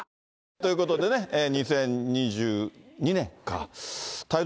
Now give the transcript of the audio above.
ということでね、２０２２年か。